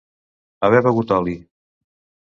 Haver begut oli.